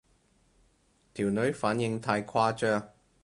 條女反應太誇張